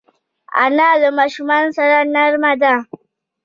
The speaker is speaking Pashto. انا له ماشومانو سره نرمه ده